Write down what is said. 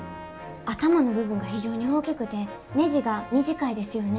頭の部分が非常に大きくてねじが短いですよね？